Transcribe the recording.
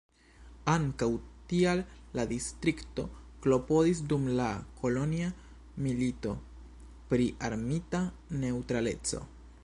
Ankaŭ tial la distrikto klopodis dum la Kolonja Milito pri armita neŭtraleco.